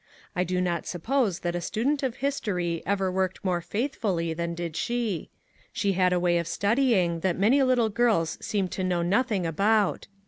I do not suppose that a student of his tory ever worked more faithfully than did she. She had a way of studying that many little girls seem to know nothing about.